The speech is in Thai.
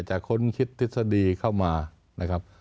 ค้นคิดทฤษฎีเข้ามานะครับ